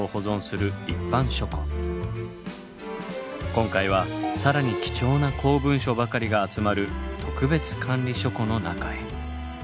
今回は更に貴重な公文書ばかりが集まる特別管理書庫の中へ。